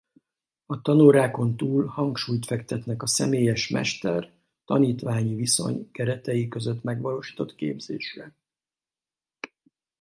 A tanórákon túl hangsúlyt fektetnek a személyes mester–tanítványi viszony keretei között megvalósított képzésre.